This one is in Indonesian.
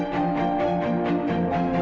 dengan satu syarat